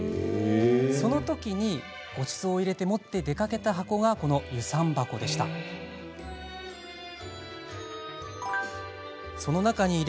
そのとき、ごちそうを入れて持って出かけた箱が遊山箱だったんです。